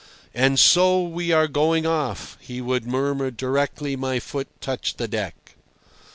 "And so we are going off," he would murmur directly my foot touched the deck.